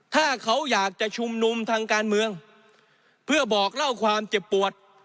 ถ้าเขาอยากจะชุมนุมทางการเมืองเพื่อบอกเล่าความเจ็บปวด